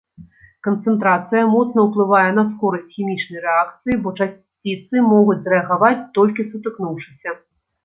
Канцэнтрацыя моцна ўплывае на скорасць хімічнай рэакцыі, бо часціцы могуць зрэагаваць толькі сутыкнуўшыся.